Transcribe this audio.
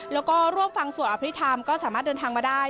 แล้วก็ร่วมฟังสวดอภิษฐรรมก็สามารถเดินทางมาได้